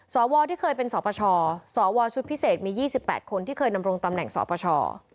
สวที่เคยเป็นสปชสวชุดพิเศษมี๒๘คนที่เคยนำรงตำแหน่งสปช